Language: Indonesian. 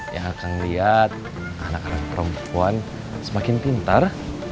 ya kang lihat anak anak perempuan semakin pintar